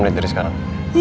tiga puluh menit dari sekarang